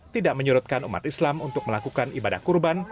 tidak menyurutkan umat islam untuk melakukan ibadah kurban